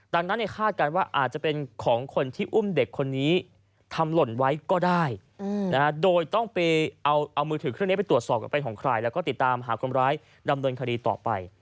ดังนั้นคาดการณ์ว่าอาจจะเป็นของคนที่อุ้มเด็กคนนี้ทำหล่นไว้ก็ได้โดยต้องไปเอามือถือเครื่องนี้ไปตรวจสอบว่าเป็นของใครแล้วก็ติดตามหาคนร้ายดำเนินคดีต่อไป